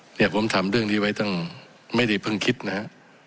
เนี่ยผมทำเรื่องนี้ไว้ตั้งไม่ได้เพิ่งคิดนะฮะ